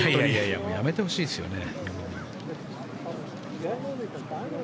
やめてほしいですよね。